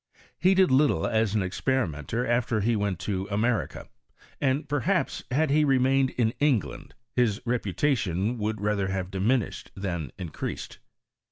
He did little as an experimenter after he went to America; and, perhaps, had he remained in England, his repu tation would rather have diminished than increased.